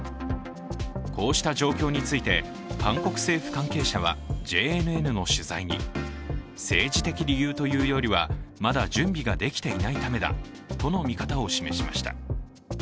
こうした状況について、韓国政府関係者はＪＮＮの取材に政治的理由というよりはまだ準備ができていないためだとの見方を示しました。